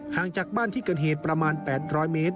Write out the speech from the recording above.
จากบ้านที่เกิดเหตุประมาณ๘๐๐เมตร